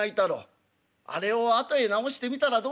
あれを後へ直してみたらどうだろうな。